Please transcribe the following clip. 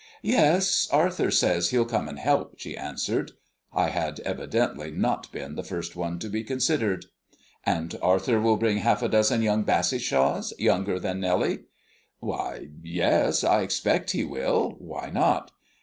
"Yes, Arthur says he'll come and help," she answered. I had evidently not been the first one to be considered. "And Arthur will bring half a dozen young Bassishaws, younger than Nellie?" "Why, yes, I expect he will. Why not?"